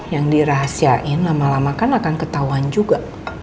yang dirahasiain lama lama kan akan ketahuan juga